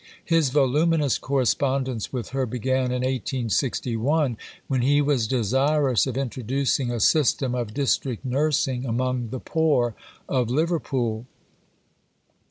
His voluminous correspondence with her began in 1861 when he was desirous of introducing a system of District Nursing among the poor of Liverpool.